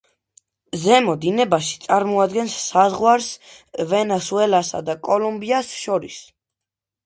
ზემო დინებაში წარმოადგენს საზღვარს ვენესუელასა და კოლუმბიას შორის.